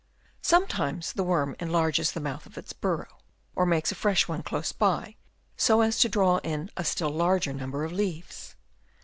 Sometimes the worm enlarges the mouth of its burrow, or makes a fresh one close by, so as to draw in a still larger number of leaves.